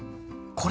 これ。